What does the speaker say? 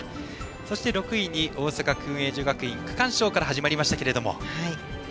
そして６位の大阪薫英女学院区間賞から始まりました。